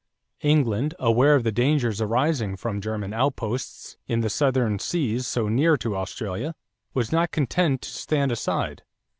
England, aware of the dangers arising from German outposts in the southern seas so near to Australia, was not content to stand aside.